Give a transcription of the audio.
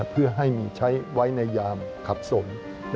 เพื่อให้มีใช้ไว้ในยามขับสม